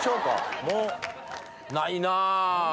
もうないなー。